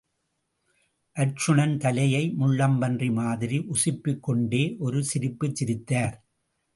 அர்ச்சுனன், தலையை முள்ளம் பன்றி மாதிரி உசுப்பிக் கொண்டே, ஒரு சிரிப்புச் சிரித்தார்.